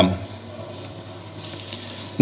namun saya tidak bisa mengambil keputusan